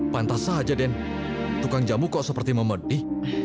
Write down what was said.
pantasan aja den tukang jamu kau seperti memedi